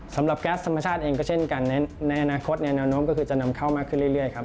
แก๊สธรรมชาติเองก็เช่นกันในอนาคตแนวโน้มก็คือจะนำเข้ามากขึ้นเรื่อยครับ